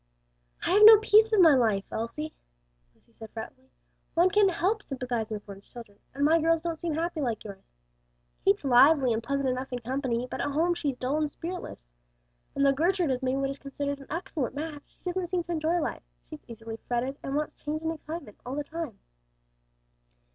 "I have no peace of my life, Elsie," Lucy said fretfully; "one can't help sympathizing with one's children, and my girls don't seem happy like yours. "Kate's lively and pleasant enough in company, but at home she's dull and spiritless; and though Gertrude has made what is considered an excellent match, she doesn't seem to enjoy life; she's easily fretted, and wants change and excitement all the time."